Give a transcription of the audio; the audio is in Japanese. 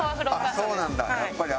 あっそうなんだ。